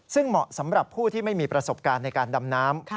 ซึ่งเหมาะสำหรับผู้ที่ไม่มีประสบการณ์ในการดำน้ำ